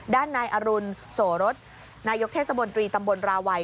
ด้านนายอรุณโสรสนายกเทศบนตรีตำบลราวัย